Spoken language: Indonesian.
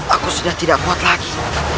aku sudah tidak kuat lagi